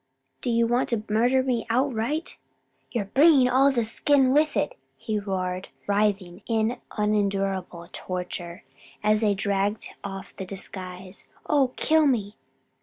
do you want to murder me outright? you're bringing all the skin with it!" he roared, writhing in unendurable torture, as they dragged off the disguise. "Oh kill me!